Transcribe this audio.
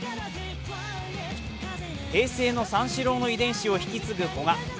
平成の三四郎の遺伝子を引き継ぐ古賀。